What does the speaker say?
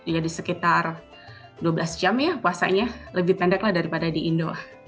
jadi sekitar dua belas jam ya puasanya lebih pendek daripada di indo